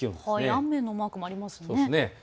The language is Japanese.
雨のマークもありますね。